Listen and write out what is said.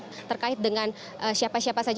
yang terkait dengan siapa siapa saja